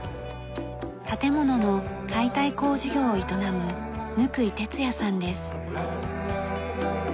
建物の解体工事業を営む貫井徹也さんです。